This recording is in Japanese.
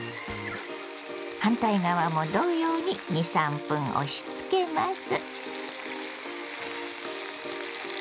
反対側も同様に２３分押しつけます。